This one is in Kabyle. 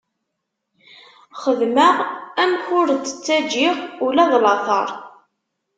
Xedmeɣ amek ur d-ttaǧǧiɣ ula d lateṛ.